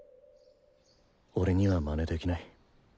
俺にはマネできない。